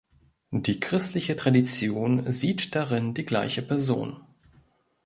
Die christliche Tradition sieht darin die gleiche Person.